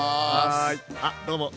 あどうも。